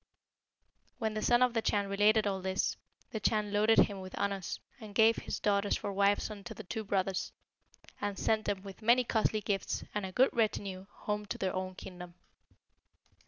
"When the Son of the Chan related all this, the Chan loaded him with honours, and gave his daughters for wives unto the two brothers, and sent them, with many costly gifts and a good retinue, home to their own kingdom.